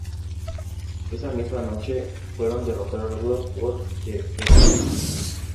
Esa misma noche, fueron derrotados por The Revival.